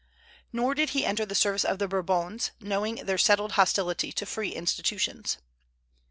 Nor did he enter the service of the Bourbons, knowing their settled hostility to free institutions.